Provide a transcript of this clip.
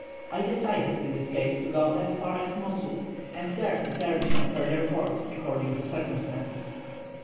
I decided in this case to go as far as Mosul, and there determine my further course according to circumstances.